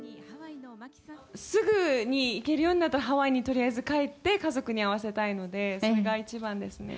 すぐに行けるようになったらハワイにとりあえず帰って、家族に会わせたいので、それが一番ですね。